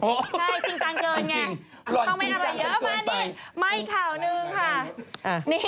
ใช่จริงจังเกินไงต้องเป็นอะไรเยอะมานี่มาอีกข่าวหนึ่งค่ะ